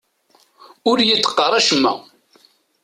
Ur yi-d-qqar acemma.